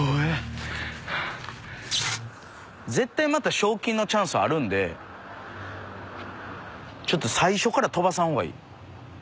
絶対また賞金のチャンスあるんでちょっと最初から飛ばさん方がいい。